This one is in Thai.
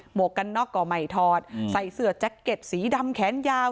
วกกันน็อกก็ไม่ถอดใส่เสื้อแจ็คเก็ตสีดำแขนยาว